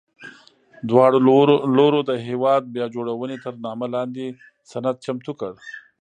دواړو لورو د هېواد بیا جوړونې تر نامه لاندې سند چمتو کړ.